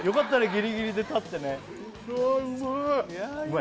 ギリギリで立ってねうわ